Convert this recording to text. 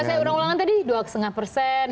saya ulang ulangan tadi dua lima persen